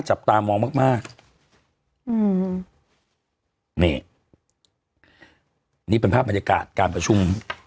จับตามองมากมากอืมนี่นี่เป็นภาพบรรยากาศการประชุม